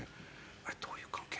あれどういう関係？